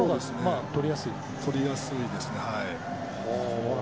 とりやすいですね。